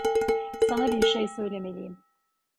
Sana birşey söylemeliyim.